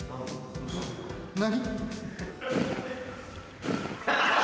何？